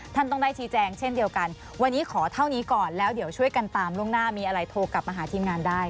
ท่านต้องได้ชี้แจงเช่นเดียวกันวันนี้ขอเท่านี้ก่อนแล้วเดี๋ยวช่วยกันตามล่วงหน้ามีอะไรโทรกลับมาหาทีมงานได้